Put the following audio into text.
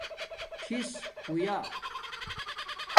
ٹھس ہویؔآ